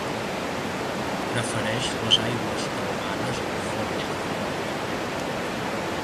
Prefereix les aigües calmades amb fons de llot.